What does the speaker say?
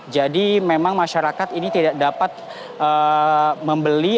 jadi memang masyarakat ini tidak dapat membeli